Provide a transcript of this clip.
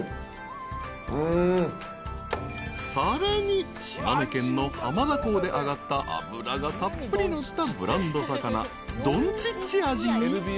［さらに島根県の浜田港で揚がった脂がたっぷり乗ったブランド魚］